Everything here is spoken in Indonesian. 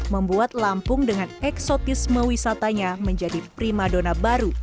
membuat lampung dengan eksotisme wisatanya menjadi primadona baru